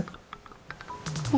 eh kita boleh masuk